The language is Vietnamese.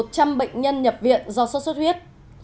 các bệnh nhân nhập viện do sốt xuất huyết